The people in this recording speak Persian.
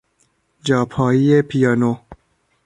جاپایی پیانو